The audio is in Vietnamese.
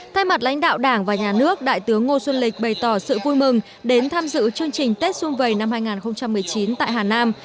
thay mặt lãnh đạo đảng và nhà nước đại tướng ngô xuân lịch bày tỏ sự vui mừng đến tham dự chương trình tết xuân vầy năm hai nghìn một mươi chín tại hà nam